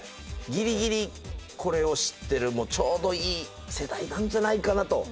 ギリギリこれを知ってるちょうどいい世代なんじゃないかなと。